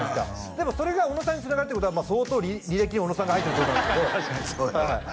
でもそれが小野さんにつながるってことは相当履歴に小野さんが入ってるってことなんですけどはい